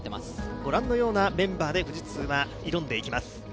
御覧のようなメンバーで富士通は挑んでいきます。